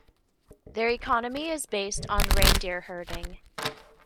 Their economy is based on reindeer herding.